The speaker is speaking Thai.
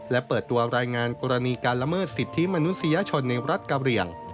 และเปิดตัวรายงานกรณีการละเมิดสิทธิมนุษยชนในรัฐกะเหลี่ยง